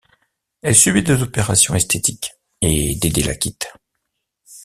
Elle subit des opérations esthétiques et Dédé la quitte.